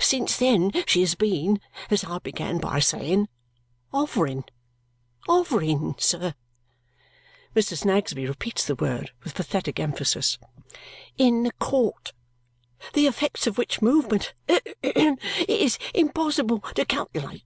Since then she has been, as I began by saying, hovering, hovering, sir" Mr. Snagsby repeats the word with pathetic emphasis "in the court. The effects of which movement it is impossible to calculate.